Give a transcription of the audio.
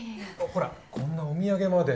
ほらこんなお土産まで。